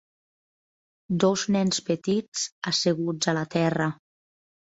Dos nens petits asseguts a la terra.